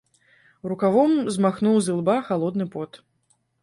Рукавом змахнуў з ілба халодны пот.